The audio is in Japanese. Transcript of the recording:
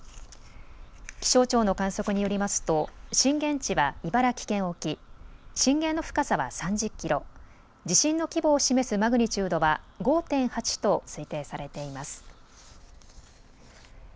気象庁の観測によりますと震源地は茨城県沖、震源の深さは３０キロ、地震の規模を示すマグニチュードは５．８と推定されています。